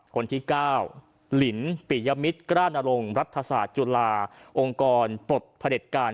คนที่๙ลินปิยมิตรกล้านรงค์รัฐศาสตร์จุฬาองค์กรปลดผลิตการ